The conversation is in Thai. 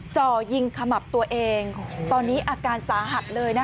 จ่อยิงขมับตัวเองตอนนี้อาการสาหัสเลยนะคะ